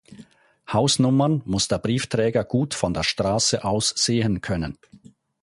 Hausnummern muss der Briefträger gut von der Straße aus sehen können.